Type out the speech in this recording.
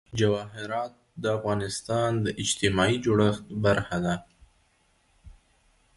جواهرات د افغانستان د اجتماعي جوړښت برخه ده.